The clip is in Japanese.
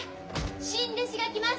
新弟子が来ます！